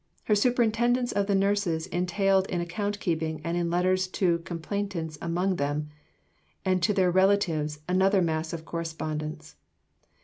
Her superintendence of the nurses entailed in account keeping and in letters to complainants among them, and to their relatives, another mass of correspondence.